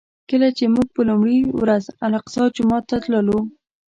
کله چې موږ په لومړي ورځ الاقصی جومات ته تللو.